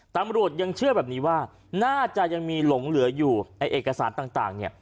ตำรวจยังเชื่อแบบนี้ว่าน่าจะยังมีหลงเหลืออยู่ไอ้เอกสารต่างเนี่ย